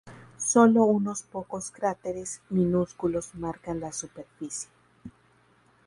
Solo unos pocos cráteres minúsculos marcan la superficie.